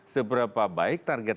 seberapa baik target